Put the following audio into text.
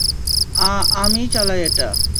আ-আমি চালাই এটা।